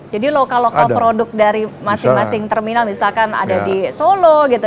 jadi lokal lokal produk dari masing masing terminal misalkan ada di solo gitu